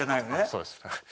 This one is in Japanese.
そうです。